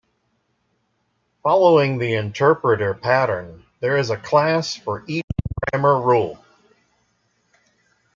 Following the interpreter pattern there is a class for each grammar rule.